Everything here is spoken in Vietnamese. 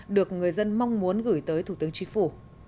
được người dân mong muốn gửi tới thủ tướng chính phủ